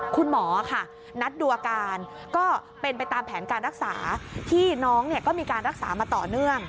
คุณหมอค่ะนัดดูอาการก็เป็นไปตามแผนการรักษาที่น้องก็มีการรักษามาต่อเนื่อง